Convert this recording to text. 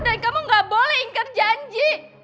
dan kamu gak boleh ingat janji